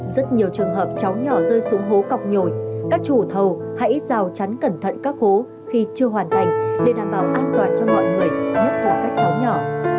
rất nhiều trường hợp cháu nhỏ rơi xuống hố cọc nhồi các chủ thầu hãy rào chắn cẩn thận các hố khi chưa hoàn thành để đảm bảo an toàn cho mọi người nhất là các cháu nhỏ